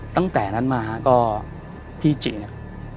ตั้งแต่นั้นมาก็พี่จิก